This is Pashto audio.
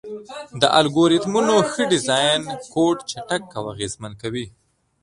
د الګوریتمونو ښه ډیزاین کوډ چټک او اغېزمن کوي.